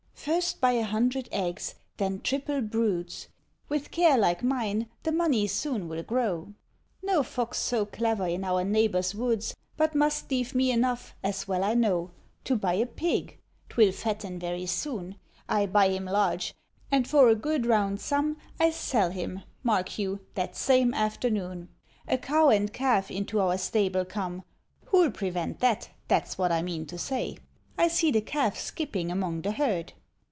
"First buy a hundred eggs, then triple broods; With care like mine the money soon will grow; [Illustration: THE MILK MAID AND THE MILK PAIL.] No fox so clever in our neighbour's woods But must leave me enough, as well I know, To buy a pig, 'twill fatten very soon; I buy him large, and for a good round sum I sell him, mark you that some afternoon; A cow and calf into our stable come; Who'll prevent that? that's what I mean to say. I see the calf skipping among the herd."